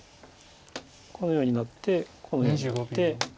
このようになってこのようになって。